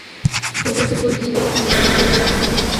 Compuesta por Guido y Maurizio De Angelis.